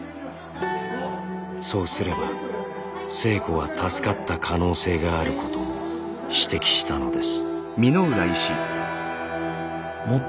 そうすれば星子は助かった可能性があることも指摘したのです。